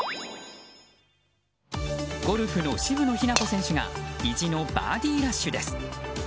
ゴルフの渋野日向子選手が意地のバーディーラッシュです。